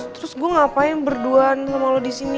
terus gue ngapain berduaan sama lo disini